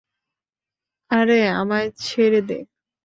আরে, আমায় ছেড়ে দে।